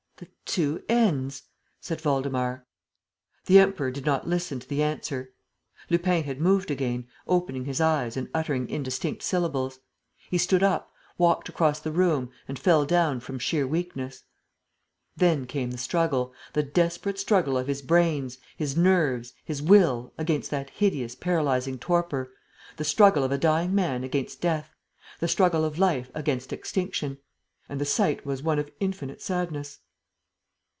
"The two 'N's' ..." said Waldemar. The Emperor did not listen to the answer. Lupin had moved again, opening his eyes and uttering indistinct syllables. He stood up, walked across the room and fell down from sheer weakness. Then came the struggle, the desperate struggle of his brain, his nerves, his will against that hideous, paralyzing torpor, the struggle of a dying man against death, the struggle of life against extinction. And the sight was one of infinite sadness.